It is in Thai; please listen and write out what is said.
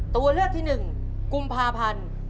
ตัวเลือกที่๑กุมภาพันธ์